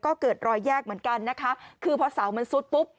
ก็เกิดรอยแยกเหมือนกันนะคะคือพอเสามันซุดปุ๊บ